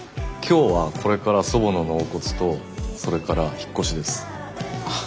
今日はこれから祖母の納骨とそれから引っ越しです。